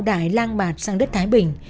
đài lang bạt sang đất thái bình